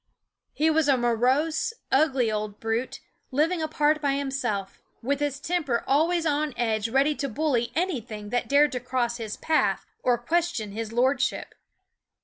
He was a morose, ugly old brute, living apart by himself, with his temper always on edge ready to bully anything that dared to cross his path or question his lord ship.